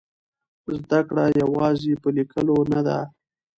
زده کړه یوازې په لیکلو نه ده.